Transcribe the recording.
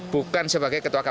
bukan sebagai ketua kpk